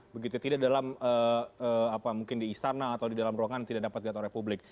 begitu tidak dalam apa mungkin di istana atau di dalam ruangan tidak dapat diatur oleh publik